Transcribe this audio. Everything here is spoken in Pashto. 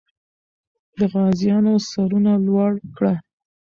د غازیانو سرونه لوړ کړه.